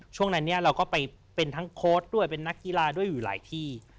ช่วงนั้นเนี่ยเราก็ไปเป็นทั้งโค้ดด้วยเป็นนักกีฬาด้วยอยู่หลายที่